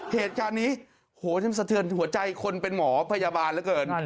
เหตุการณ์นี้โหมันสะเทือนหัวใจคนเป็นหมอพยาบาลเหลือเกิน